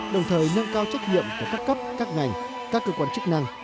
đồng thời nâng cao trách nhiệm của các cấp các ngành các cơ quan chức năng